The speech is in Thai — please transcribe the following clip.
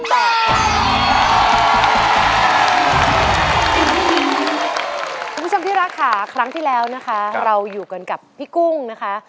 คุณผู้ชมที่รักค่ะครั้งที่แล้วนะคะเราอยู่กันกับพี่กุ้งนะคะ